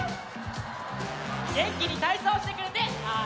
げんきにたいそうしてくれてありがとう！